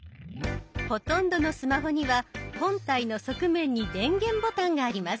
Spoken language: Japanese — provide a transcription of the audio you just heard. ほとんどのスマホには本体の側面に電源ボタンがあります。